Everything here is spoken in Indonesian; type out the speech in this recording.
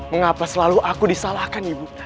mengapa selalu aku disalahkan ibu